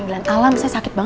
sebentar aja kok